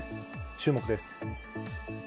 注目です。